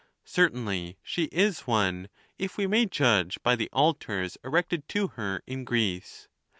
Certainly she is one, if we may judge by the altars erected to her in Greece.